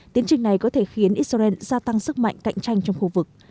tiến trình này có thể khiến israel gia tăng sức mạnh cạnh tranh trong khu vực